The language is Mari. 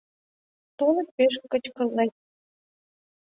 Тольык пеш кычкырлет.